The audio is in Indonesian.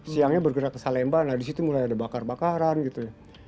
siangnya bergerak ke salembah nah di situ mulai ada bakar bakaran gitu ya